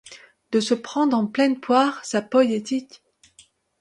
De se prendre en pleine poire sa « poïétique ».